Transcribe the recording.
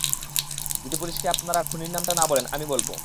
যদি পুলিশকে আপনারা খুনির নামটা না বলেন, আমি বলব।